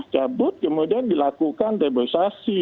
cabut kemudian dilakukan debosasi